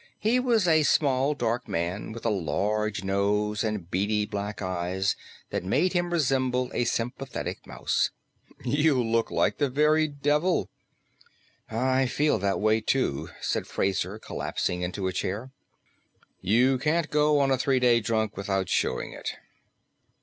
He was a small, dark man, with a large nose and beady black eyes that made him resemble a sympathetic mouse. "You look like the very devil." "I feel that way, too," said Fraser, collapsing into a chair. "You can't go on a three day drunk without showing it."